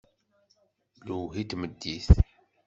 Lewhi n tmeddit.